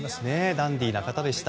ダンディーな方でした。